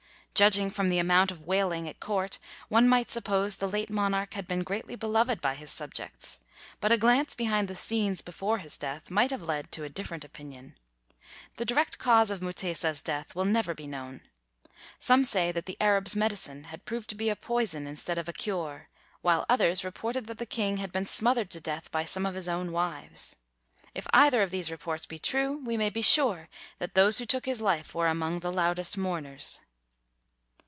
Judging from the amount of wailing at court, one might suppose the late monarch had been greatly beloved by his subjects; but a glance behind the scenes before his death might have led to a different opinion. The direct cause of Mutesa's death will never be known. Some said that the Arab 's medicine had proved to be a poison instead of a cure, while others reported that the king had been smothered to death by some of his own wives. If either of these reports be true, we may be sure that those who took his life were among the loudest mourners.